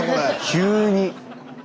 急に。